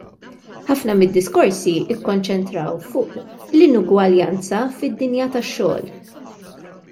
Ħafna mid-diskorsi kkonċentraw fuq l-inugwaljanza fid-dinja tax-xogħol.